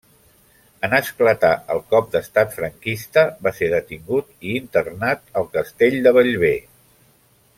En esclatar el cop d'estat franquista va ser detingut i internat al Castell de Bellver.